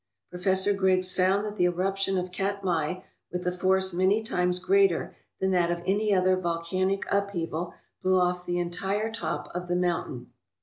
Professor Griggs found that the eruption of Katmai, with a force many times greater than that of any other volcanic upheaval, blew off the entire top of the mountain.